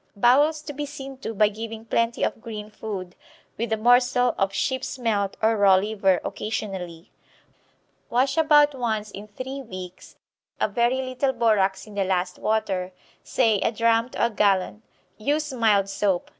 Bowels to be seen to by giving plenty of green food, with a morsel of sheep's melt or raw liver occasionally. Wash about once in three weeks, a very little borax in the last water, say a drachm to a gallon. Use mild soap.